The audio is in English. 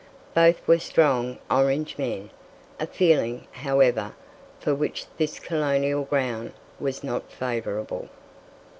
Both were strong Orangemen a feeling, however, for which this colonial ground was not favourable.